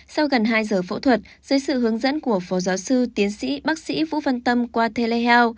sau gần hai giờ phẫu thuật dưới sự hướng dẫn của phó giáo sư tiến sĩ bác sĩ vũ văn tâm qua telehealth